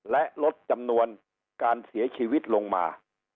และลดจำนวนการเสียชีวิตลงมา